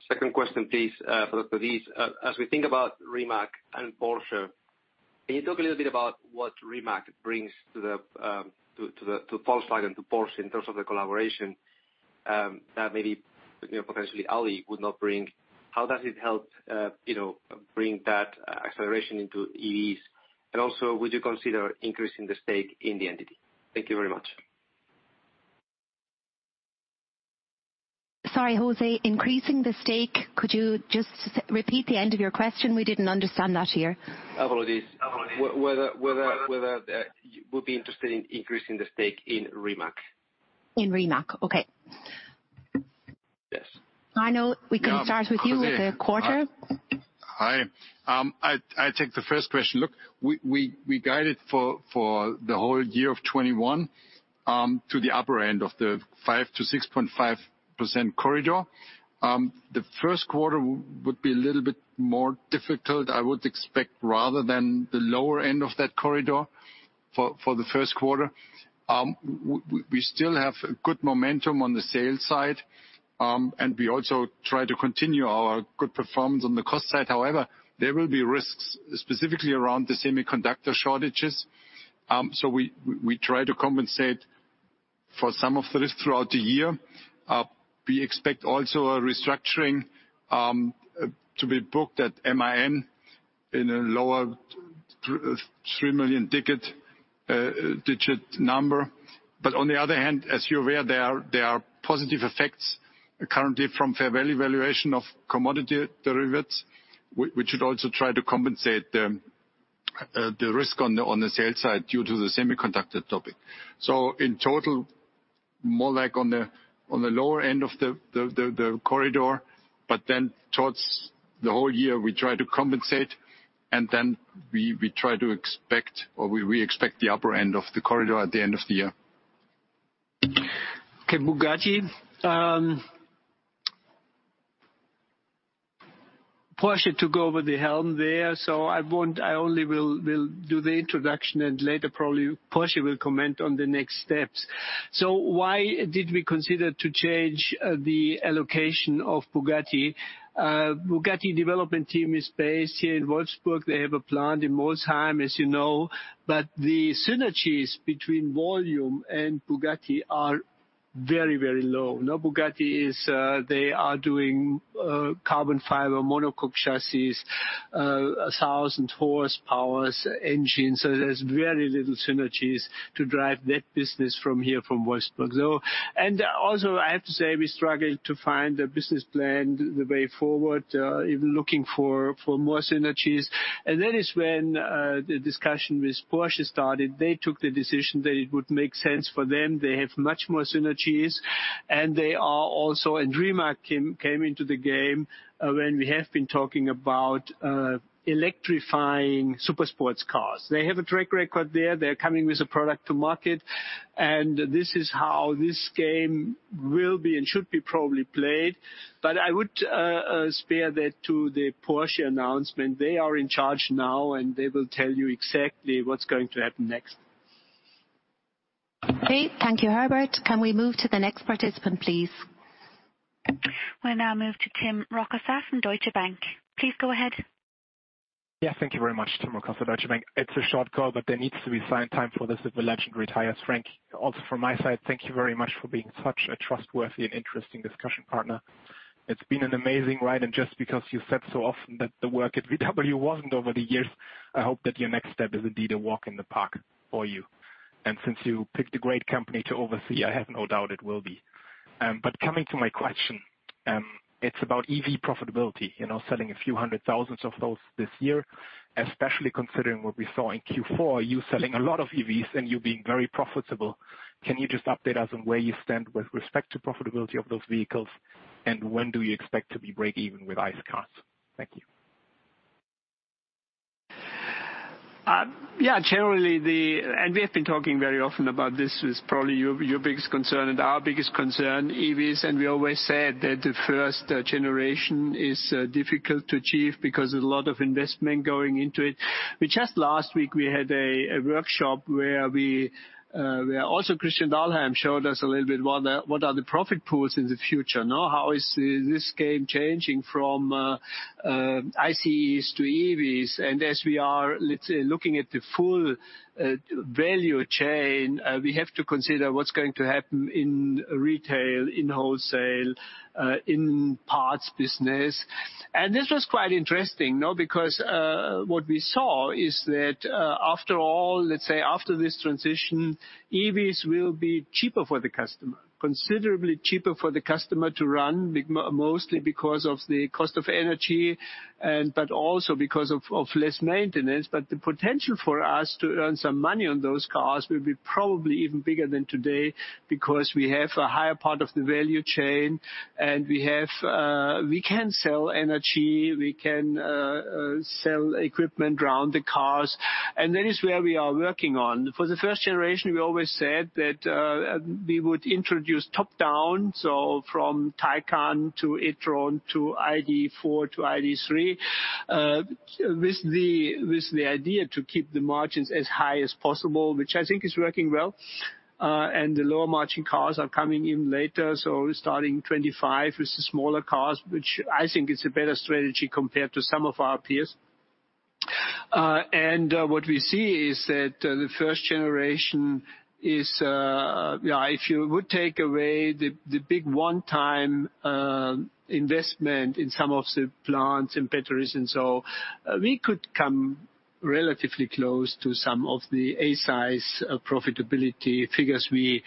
Second question, please, for Dr. Diess. As we think about Rimac and Porsche, can you talk a little bit about what Rimac brings to Volkswagen, to Porsche, in terms of the collaboration, that maybe, potentially, Audi would not bring? How does it help bring that acceleration into EVs? Also, would you consider increasing the stake in the entity? Thank you very much. Sorry, José. Increasing the stake. Could you just repeat the end of your question? We didn't understand that here. I apologize. Whether you would be interested in increasing the stake in Rimac. In Rimac. Okay. Yes. Arno, we can start with you with the quarter. Hi. I take the first question. Look, we guide it for the whole year of 2021 to the upper end of the 5%-6.5% corridor. The first quarter would be a little bit more difficult, I would expect, rather than the lower end of that corridor for the first quarter. We still have good momentum on the sales side, and we also try to continue our good performance on the cost side. However, there will be risks, specifically around the semiconductor shortages. We try to compensate for some of the risk throughout the year. We expect also a restructuring to be booked at MAN in a lower three million digit number. On the other hand, as you're aware, there are positive effects currently from fair value valuation of commodity derivatives. We should also try to compensate the risk on the sales side due to the semiconductor topic. In total, more like on the lower end of the corridor, but then towards the whole year, we try to compensate, and then we expect the upper end of the corridor at the end of the year. Okay. Bugatti. Porsche took over the helm there, so I only will do the introduction and later probably Porsche will comment on the next steps. Why did we consider to change the allocation of Bugatti? Bugatti development team is based here in Wolfsburg. They have a plant in Molsheim, as you know. The synergies between volume and Bugatti are very, very low. Bugatti is, they are doing carbon fiber monocoque chassis, 1,000 horse powers engine. There's very little synergies to drive that business from here, from Wolfsburg. Also, I have to say, we struggled to find a business plan, the way forward, even looking for more synergies. That is when the discussion with Porsche started. They took the decision that it would make sense for them. They have much more synergies. Rimac came into the game when we have been talking about electrifying super sports cars. They have a track record there. They're coming with a product to market, and this is how this game will be and should be probably played. I would spare that to the Porsche announcement. They are in charge now, and they will tell you exactly what's going to happen next. Okay. Thank you, Herbert. Can we move to the next participant, please? We will now move to Tim Rokossa from Deutsche Bank. Please go ahead. Yeah, thank you very much. Tim Rokossa, Deutsche Bank. It's a short call. There needs to be assigned time for this if a legend retires. Frank, also from my side, thank you very much for being such a trustworthy and interesting discussion partner. It's been an amazing ride. Just because you said so often that the work at VW wasn't over the years, I hope that your next step is indeed a walk in the park for you. Since you picked a great company to oversee, I have no doubt it will be. Coming to my question, it's about EV profitability. Selling a few hundred thousands of those this year, especially considering what we saw in Q4, you selling a lot of EVs and you being very profitable. Can you just update us on where you stand with respect to profitability of those vehicles, and when do you expect to be break even with ICE cars? Thank you. Yeah. We have been talking very often about this, is probably your biggest concern and our biggest concern, EVs, and we always said that the first generation is difficult to achieve because there's a lot of investment going into it. We just last week, we had a workshop where also Christian Dahlheim showed us a little bit what are the profit pools in the future. How is this game changing from ICEs to EVs? As we are, let's say, looking at the full value chain, we have to consider what's going to happen in retail, in wholesale, in parts business. This was quite interesting, because what we saw is that after all, let's say after this transition, EVs will be cheaper for the customer, considerably cheaper for the customer to run, mostly because of the cost of energy but also because of less maintenance. The potential for us to earn some money on those cars will be probably even bigger than today because we have a higher part of the value chain. We can sell energy, we can sell equipment around the cars, and that is where we are working on. For the first generation, we always said that we would introduce top-down, so from Taycan to e-tron, to ID.4 to ID.3, with the idea to keep the margins as high as possible, which I think is working well. The lower margin cars are coming in later, so starting 2025 with the smaller cars, which I think is a better strategy compared to some of our peers. What we see is that the first generation is If you would take away the big one-time investment in some of the plants and batteries and so, we could come relatively close to some of the A-size profitability figures we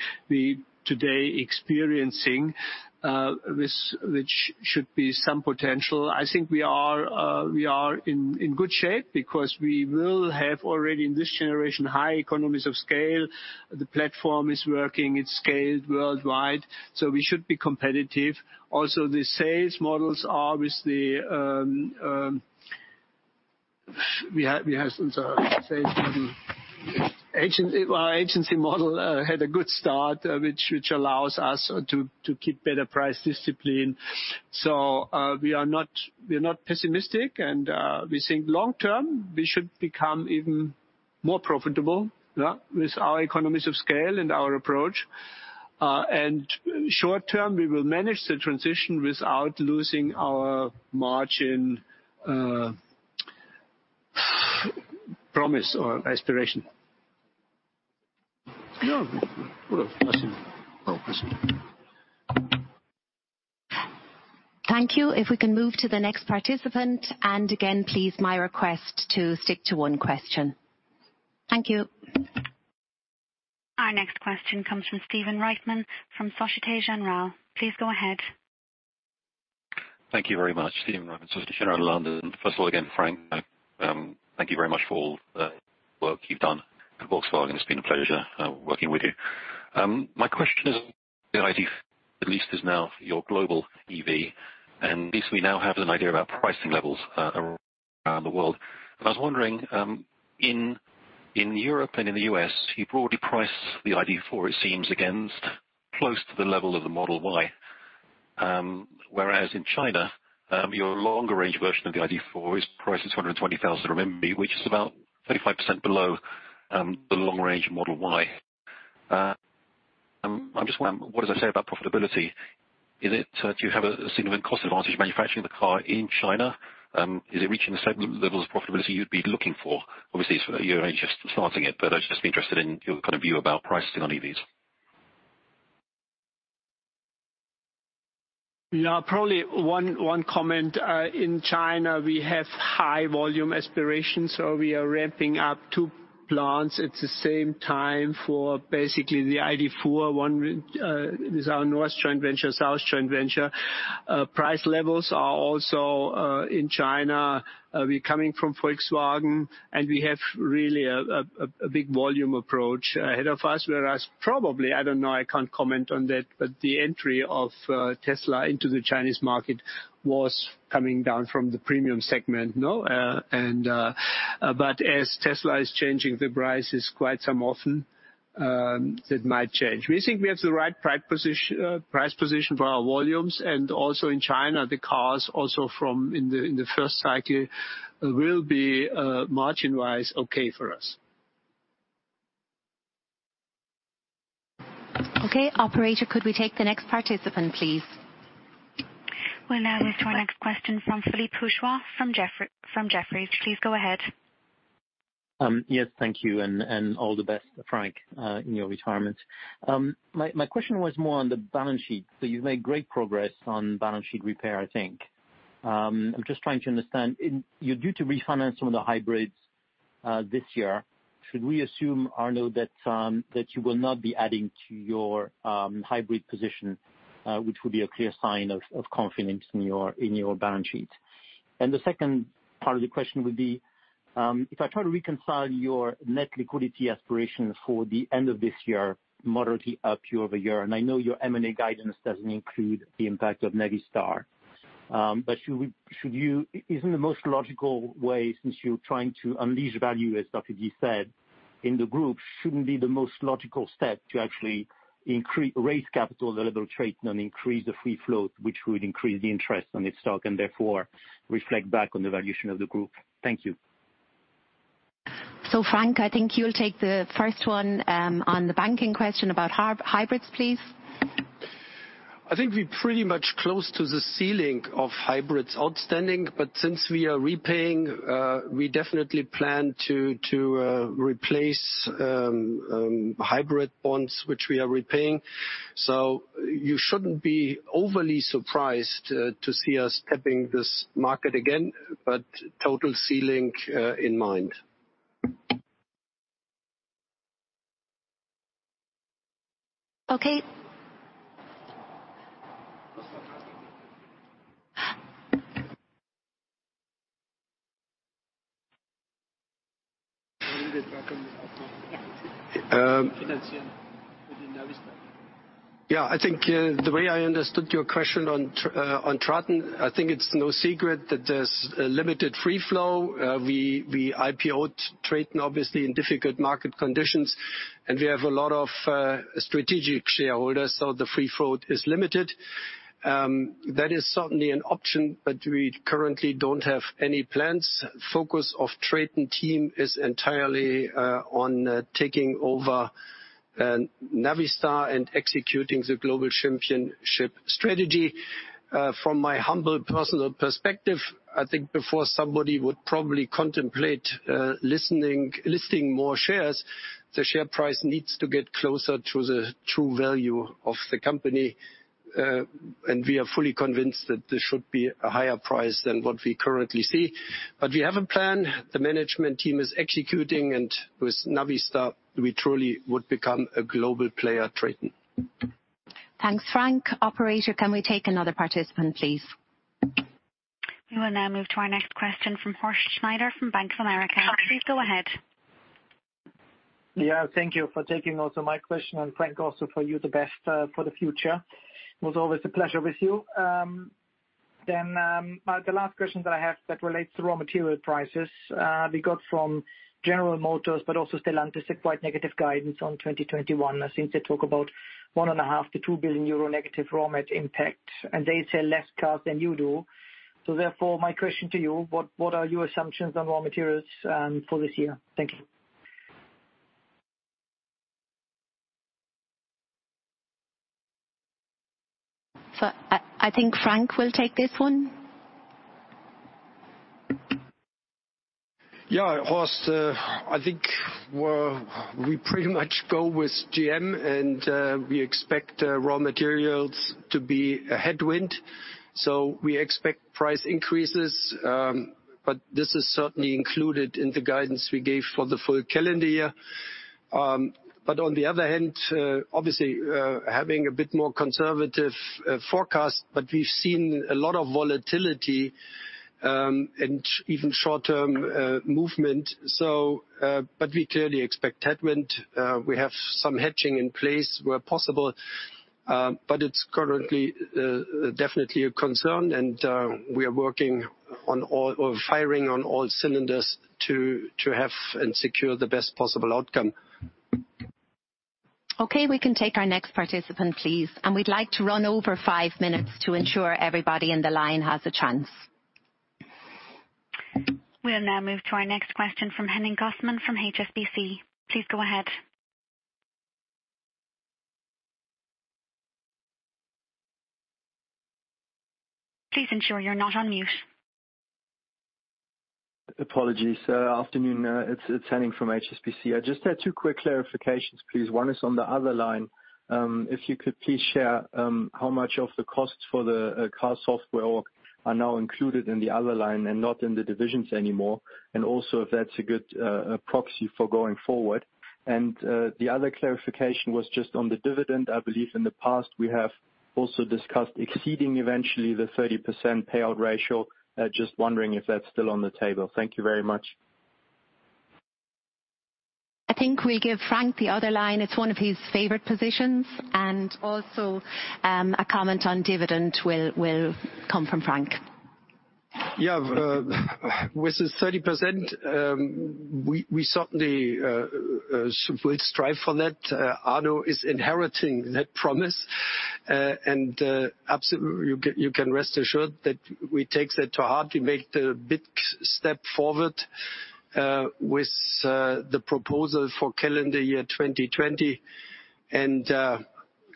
today experiencing, which should be some potential. I think we are in good shape because we will have already, in this generation, high economies of scale. The platform is working, it's scaled worldwide, so we should be competitive. Also, Our agency model had a good start, which allows us to keep better price discipline. We are not pessimistic, and we think long term, we should become even more profitable with our economies of scale and our approach. Short term, we will manage the transition without losing our margin promise or aspiration. Yeah. Thank you. Thank you. If we can move to the next participant, and again, please, my request to stick to one question. Thank you. Our next question comes from Stephen Reitman from Société Générale. Please go ahead. Thank you very much. Stephen Reitman, Société Générale, London. First of all, again, Frank, thank you very much for all the work you've done at Volkswagen. It's been a pleasure working with you. My question is, the ID., at least, is now your global EV, and at least we now have an idea about pricing levels around the world. I was wondering, in Europe and in the U.S., you've already priced the ID.4, it seems, against close to the level of the Model Y. In China, your longer range version of the ID.4 is priced at 120,000 RMB, which is about 35% below the long-range Model Y. I'm just wondering, what does that say about profitability? Do you have a significant cost advantage manufacturing the car in China? Is it reaching the levels of profitability you'd be looking for? Obviously, you're only just starting it, but I'd just be interested in your view about pricing on EVs. Yeah. Probably one comment. In China, we have high volume aspirations. We are ramping up two plants at the same time for basically the ID.4. One is our north joint venture, south joint venture. Price levels are also in China. We're coming from Volkswagen, and we have really a big volume approach ahead of us, whereas probably, I don't know, I can't comment on that, but the entry of Tesla into the Chinese market was coming down from the premium segment. As Tesla is changing the prices quite some often, that might change. We think we have the right price position for our volumes, and also in China, the cars also in the first cycle will be, margin-wise, okay for us. Okay. Operator, could we take the next participant, please? We'll now move to our next question from Philippe Houchois from Jefferies. Please go ahead. Yes, thank you, and all the best, Frank, in your retirement. My question was more on the balance sheet. You've made great progress on balance sheet repair, I think. I'm just trying to understand. You're due to refinance some of the hybrids this year. Should we assume, Arno, that you will not be adding to your hybrid position, which would be a clear sign of confidence in your balance sheet? The second part of the question would be, if I try to reconcile your net liquidity aspiration for the end of this year, moderately up year-over-year, I know your M&A guidance doesn't include the impact of Navistar. Isn't the most logical way, since you're trying to unleash value, as Dr. G said, in the group, shouldn't it be the most logical step to actually raise capital, the level trade, and increase the free float, which would increase the interest on its stock, and therefore reflect back on the valuation of the group? Thank you. Frank, I think you'll take the first one on the banking question about hybrids, please. I think we're pretty much close to the ceiling of hybrids outstanding. Since we are repaying, we definitely plan to replace hybrid bonds, which we are repaying. You shouldn't be overly surprised to see us tapping this market again, total ceiling in mind. Okay. Yeah, I think the way I understood your question on Traton, I think it's no secret that there's a limited free float. We IPO'd Traton, obviously, in difficult market conditions, and we have a lot of strategic shareholders, so the free float is limited. That is certainly an option, but we currently don't have any plans. Focus of Traton team is entirely on taking over Navistar and executing the global championship strategy. From my humble personal perspective, I think before somebody would probably contemplate listing more shares, the share price needs to get closer to the true value of the company. We are fully convinced that there should be a higher price than what we currently see. We have a plan. The management team is executing, and with Navistar, we truly would become a global player at Traton. Thanks, Frank. Operator, can we take another participant, please? We will now move to our next question from Horst Schneider from Bank of America. Please go ahead. Yeah. Thank you for taking also my question, and Frank, also for you, the best for the future. Was always a pleasure with you. The last question that I have that relates to raw material prices. We got from General Motors, also Stellantis, a quite negative guidance on 2021, since they talk about 1.5 billion-2 billion euro negative raw mat impact. They sell less cars than you do. My question to you, what are your assumptions on raw materials for this year? Thank you. I think Frank will take this one. Yeah, Horst, I think we pretty much go with GM and we expect raw materials to be a headwind. We expect price increases, but this is certainly included in the guidance we gave for the full calendar year. On the other hand, obviously, having a bit more conservative forecast, but we've seen a lot of volatility, and even short-term movement. We clearly expect headwind. We have some hedging in place where possible. It's currently definitely a concern and we are working on, or firing on all cylinders to have and secure the best possible outcome. Okay, we can take our next participant, please. We'd like to run over five minutes to ensure everybody in the line has a chance. We'll now move to our next question from Henning Cosman from HSBC. Please go ahead. Please ensure you're not on mute. Apologies. Afternoon. It's Henning from HSBC. I just had two quick clarifications please. One is on the other line. If you could please share how much of the costs for the car software are now included in the other line and not in the divisions anymore, and also if that's a good proxy for going forward. The other clarification was just on the dividend. I believe in the past, we have also discussed exceeding eventually the 30% payout ratio. Just wondering if that's still on the table. Thank you very much. I think we give Frank the other line. It's one of his favorite positions, and also, a comment on dividend will come from Frank. Yeah. With the 30%, we certainly will strive for that. Arno is inheriting that promise. Absolutely, you can rest assured that we take that to heart. We made a big step forward with the proposal for calendar year 2020.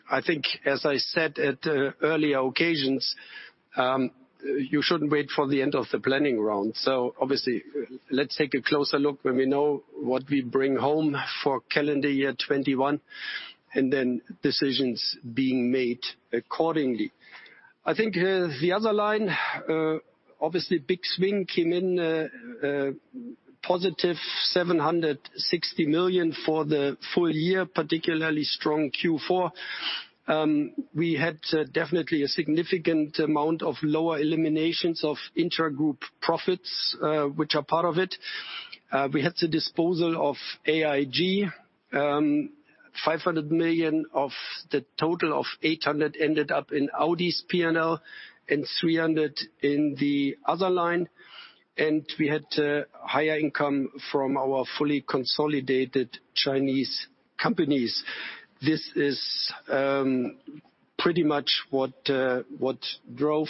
I think as I said at earlier occasions, you shouldn't wait for the end of the planning round. Obviously, let's take a closer look when we know what we bring home for calendar year 2021, and then decisions being made accordingly. I think the other line, obviously, big swing came in, positive 760 million for the full year, particularly strong Q4. We had definitely a significant amount of lower eliminations of intragroup profits, which are part of it. We had the disposal of AID. 500 million of the total of 800 ended up in Audi's P&L and 300 in the other line. We had higher income from our fully consolidated Chinese companies. This is pretty much what drove.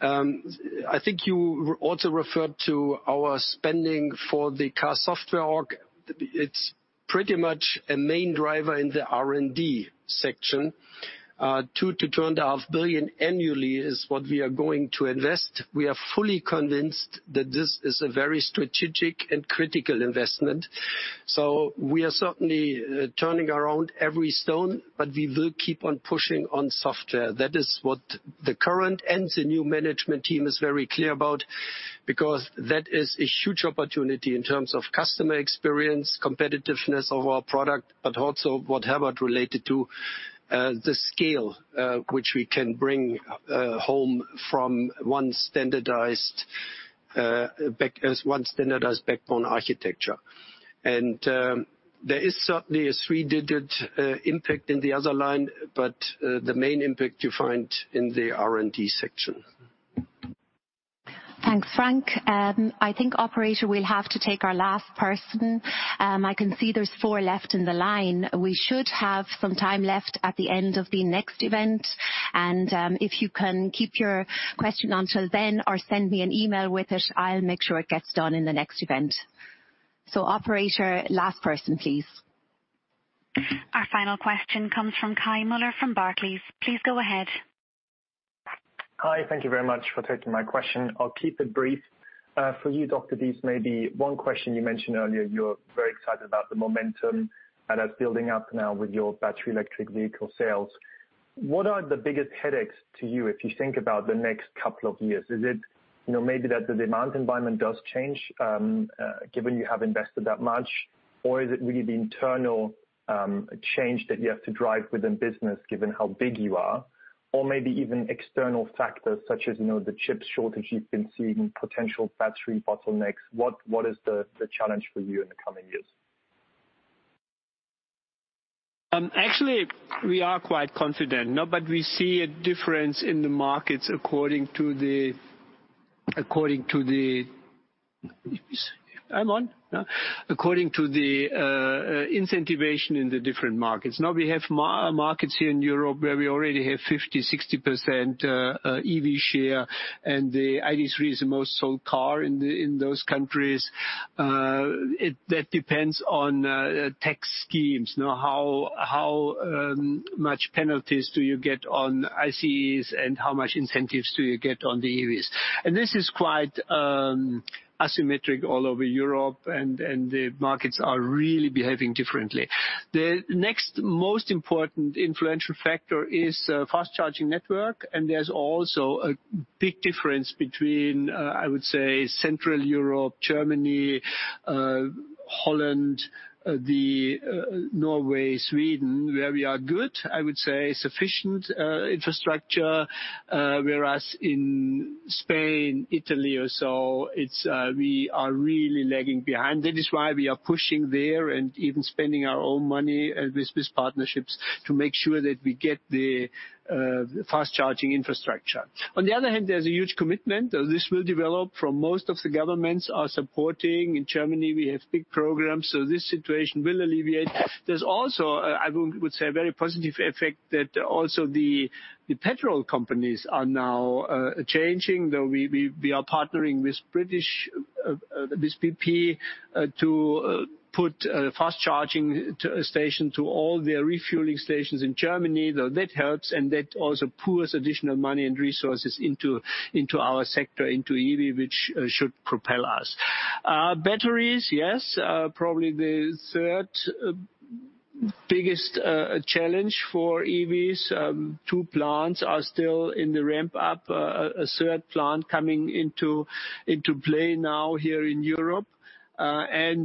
I think you also referred to our spending for the car software org. It's pretty much a main driver in the R&D section. 2 billion-2.5 billion annually is what we are going to invest. We are fully convinced that this is a very strategic and critical investment. We are certainly turning around every stone, but we will keep on pushing on software. That is what the current and the new management team is very clear about, because that is a huge opportunity in terms of customer experience, competitiveness of our product, but also what Herbert related to The scale which we can bring home from one standardized backbone architecture. There is certainly a three-digit impact in the other line, but the main impact you find in the R&D section. Thanks, Frank. I think, operator, we'll have to take our last person. I can see there's four left in the line. We should have some time left at the end of the next event. If you can keep your question until then or send me an email with it, I'll make sure it gets done in the next event. Operator, last person please. Our final question comes from Kai Mueller from Barclays. Please go ahead. Hi. Thank you very much for taking my question. I'll keep it brief. For you, Dr. Diess, maybe one question you mentioned earlier, you're very excited about the momentum that is building up now with your battery electric vehicle sales. What are the biggest headaches to you if you think about the next couple of years? Is it maybe that the demand environment does change, given you have invested that much? Is it really the internal change that you have to drive within business given how big you are? Maybe even external factors such as the chip shortage you've been seeing, potential battery bottlenecks. What is the challenge for you in the coming years? Actually, we are quite confident. We see a difference in the markets according to the incentivization in the different markets. We have markets here in Europe where we already have 50%, 60% EV share, and the ID.3 is the most sold car in those countries. That depends on tax schemes, how much penalties do you get on ICE and how much incentives do you get on the EVs. This is quite asymmetric all over Europe, and the markets are really behaving differently. The next most important influential factor is fast charging network. There's also a big difference between, I would say, central Europe, Germany, Holland, Norway, Sweden, where we are good, I would say, sufficient infrastructure. Whereas in Spain, Italy, or so, we are really lagging behind. That is why we are pushing there and even spending our own money with partnerships to make sure that we get the fast charging infrastructure. On the other hand, there's a huge commitment. This will develop, from most of the governments are supporting. In Germany, we have big programs, so this situation will alleviate. There's also, I would say, a very positive effect that also the petrol companies are now changing. Though we are partnering with BP to put a fast charging station to all their refueling stations in Germany. Though that helps, and that also pours additional money and resources into our sector, into EV, which should propel us. Batteries, yes, probably the third biggest challenge for EVs. Two plants are still in the ramp up. A third plant coming into play now here in Europe.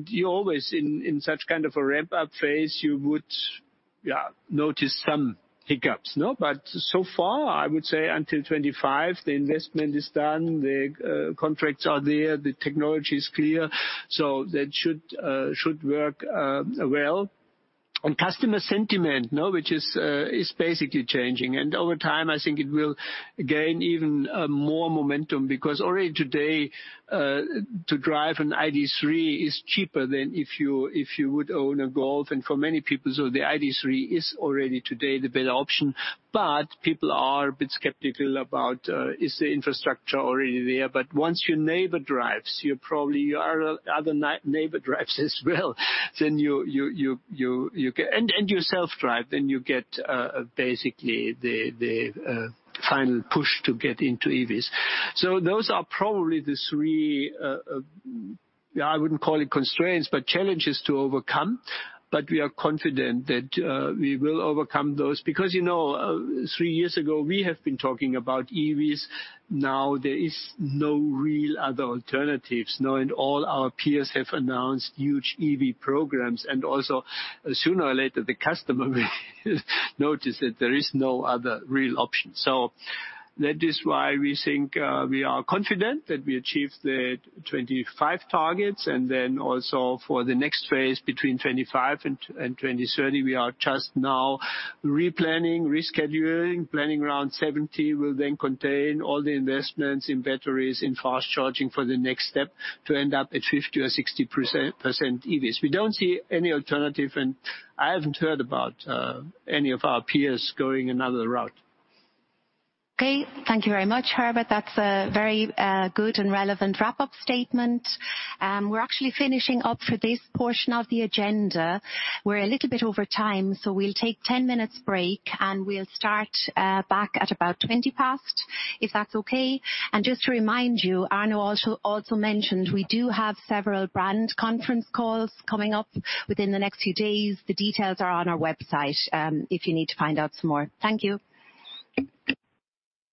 You always, in such kind of a ramp-up phase, you would notice some hiccups. So far, I would say until 2025, the investment is done, the contracts are there, the technology is clear. That should work well. Customer sentiment, which is basically changing, and over time, I think it will gain even more momentum, because already today, to drive an ID.3 is cheaper than if you would own a Golf. For many people, the ID.3 is already today the better option. People are a bit skeptical about, is the infrastructure already there? Once your neighbor drives, your other neighbor drives as well, and you self-drive, then you get basically the final push to get into EVs. Those are probably the three, I wouldn't call it constraints, but challenges to overcome. We are confident that we will overcome those because three years ago, we have been talking about EVs. There is no real other alternatives. All our peers have announced huge EV programs. Sooner or later, the customer will notice that there is no other real option. That is why we think we are confident that we achieve the 2025 targets and then also for the next phase between 2025 and 2030, we are just now replanning, rescheduling. Planning Round 70 will then contain all the investments in batteries, in fast charging for the next step to end up at 50% or 60% EVs. We don't see any alternative, and I haven't heard about any of our peers going another route. Okay. Thank you very much, Herbert. That's a very good and relevant wrap-up statement. We're actually finishing up for this portion of the agenda. We're a little bit over time, so we'll take 10 minutes break, and we'll start back at about 20 past, if that's okay. Just to remind you, Arno also mentioned we do have several brand conference calls coming up within the next few days. The details are on our website if you need to find out some more. Thank you.